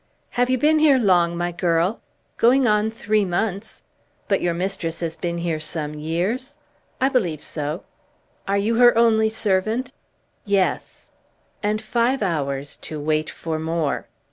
"Have you been here long, my girl?" "Going on three months." "But your mistress has been here some years?" "I believe so." "Are you her only servant?" "Yes." And five hours to wait for more!